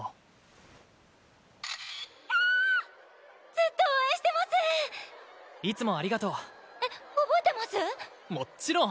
ずっと応援してまいつもありがとうえっもちろん。